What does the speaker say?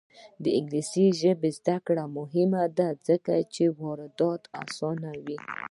د انګلیسي ژبې زده کړه مهمه ده ځکه چې واردات اسانوي.